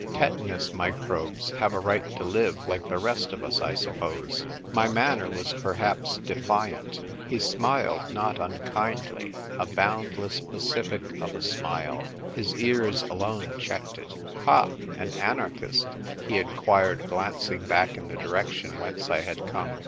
Tetanus microbes have' a right to live like the rest of us, I suppose." My manner was perhaps defiant. He smiled, not unkindly, a boundless Pacific of a smile : his ears alone checked it. " Ha ! an anarchist ?" he enquired, glancing back in the direction whence I had come.